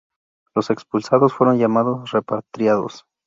Los expulsados fueron llamados "repatriados".